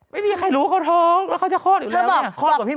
ไม่มีใครรู้ข้าวท้องแล้วของเขาจะคลอดอยู่แล้วเนี่ย